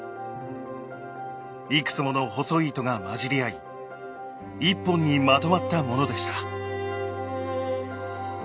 いくつもの細い糸が混じり合い１本にまとまったものでした。